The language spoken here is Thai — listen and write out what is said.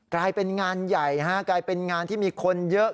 กลายเป็นงานใหญ่กลายเป็นงานที่มีคนเยอะ